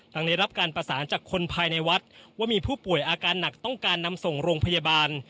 หลังได้รับการประสานจากคนภายในวัดว่ามีผู้ป่วยอาการหนักต้องการนำส่งโรงพยาบาล